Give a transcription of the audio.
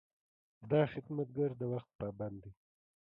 دا خدمتګر د وخت پابند دی.